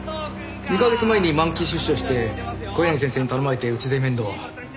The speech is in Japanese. ２カ月前に満期出所して小柳先生に頼まれてうちで面倒を。